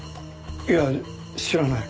いや知らない。